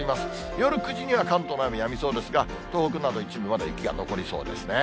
夜９時には関東の雨、やみそうですが、東北など一部、まだ雪が残りそうですね。